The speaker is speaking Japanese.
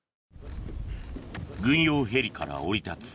軍用ヘリから降り立つ